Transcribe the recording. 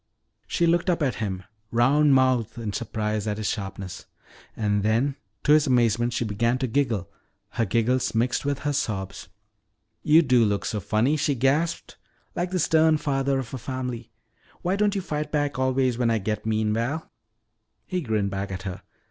She looked up at him, round mouthed in surprise at his sharpness. And then to his amazement she began to giggle, her giggles mixed with her sobs. "You do look so funny," she gasped, "like the stern father of a family. Why don't you fight back always when I get mean, Val?" He grinned back at her.